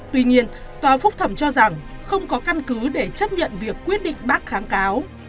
tuy nhiên tòa phúc thẩm cho rằng không có căn cứ để chấp nhận việc quyết định bác kháng cáo